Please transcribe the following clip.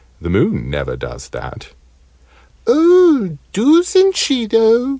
The moon never does that." "Oh, doosn't she though!"